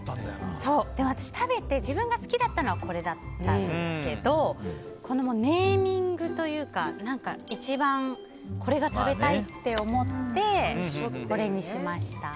私、食べて自分が好きだったのはこれだったんですけどネーミングというか一番、これが食べたいって思ってこれにしました。